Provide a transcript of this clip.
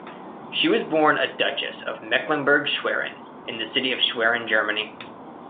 She was born a Duchess of Mecklenburg-Schwerin, in the city of Schwerin, Germany.